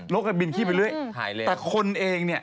กระบินขี้ไปเรื่อยแต่คนเองเนี่ย